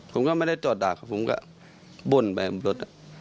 ผมก็ไม่ได้จอดดักผมก็บ้นแบบรถ